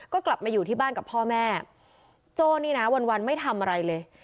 ก็กลับมาอยู่ที่บ้านกับพ่อแม่โจ้นี่นะวันวันไม่ทำอะไรเลย